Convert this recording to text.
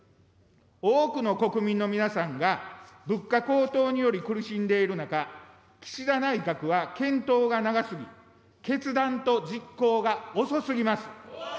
多くの国民の皆さんが物価高騰により苦しんでいる中、岸田内閣は検討が長すぎ、決断と実行が遅すぎます。